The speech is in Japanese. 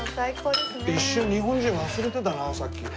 一瞬日本人忘れてたなさっき。